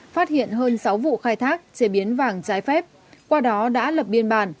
phát hiện hơn sáu vụ khai thác chế biến vàng trái phép qua đó đã lập biên bản